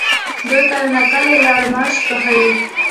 دوی کله ناکله لړماش پخوي؟